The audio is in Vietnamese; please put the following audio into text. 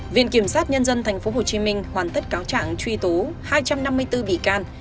viện kiểm sát nhân dân tp hcm hoàn tất cáo trạng truy tố hai trăm năm mươi bốn bị can